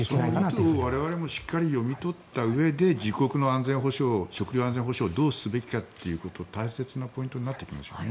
その意図を我々もしっかり読み取ったうえで自国の安全保障、食料安全保障をどうすべきかということが大切なポイントになってきますね。